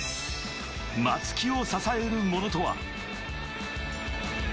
松木を支えるものとは。